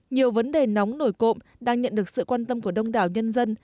nhiều vấn đề nóng nổi cộm đang nhận được sự quan tâm của đông đảo nhân dân